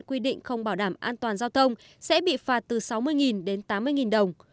quy định không bảo đảm an toàn giao thông sẽ bị phạt từ sáu mươi đến tám mươi đồng